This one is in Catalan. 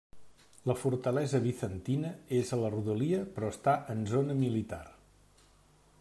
La fortalesa bizantina és a la rodalia però està en zona militar.